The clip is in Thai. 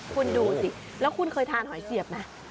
คุณดูสิแล้วคุณเคยทานหอยเสียบไหม